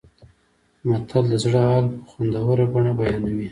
متل د زړه حال په خوندوره بڼه بیانوي